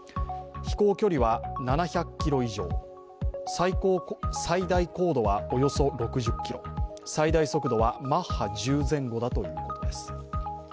飛行距離は７００ｋｍ以上、最大高度はおよそ６０ｋｍ、最大速度はマッハ１０前後だということです。